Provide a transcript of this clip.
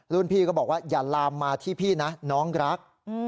พี่ก็บอกว่าอย่าลามมาที่พี่นะน้องรัก